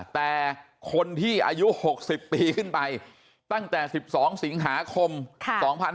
แต่คนที่อายุ๖๐ปีขึ้นไปตั้งแต่๑๒สิงหาคม๒๕๖๖เป็นต้นไป